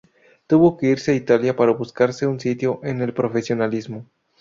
Tuvo que irse a Italia para buscarse un sitio en el profesionalismo.